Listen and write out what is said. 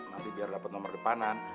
nanti biar dapat nomor depanan